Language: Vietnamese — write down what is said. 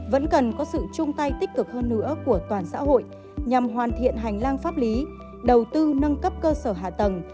vẫn cần có sự chung tay tích cực hơn nữa của toàn xã hội nhằm hoàn thiện hành lang pháp lý đầu tư nâng cấp cơ sở hạ tầng